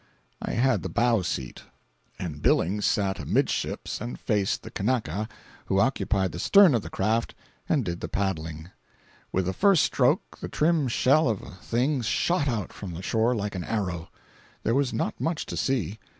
I had the bow seat, and Billings sat amidships and faced the Kanaka, who occupied the stern of the craft and did the paddling. With the first stroke the trim shell of a thing shot out from the shore like an arrow. There was not much to see.